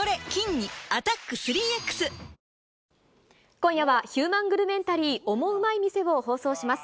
今夜は、ヒューマングルメンタリーオモウマい店を放送します。